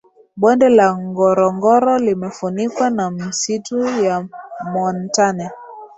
bonde la ngorongoro limefunikwa na misitu ya montane